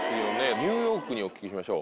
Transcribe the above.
ニューヨークにお聞きしましょう。